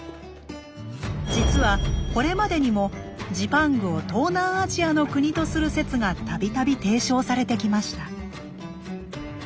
実はこれまでにもジパングを東南アジアの国とする説が度々提唱されてきました。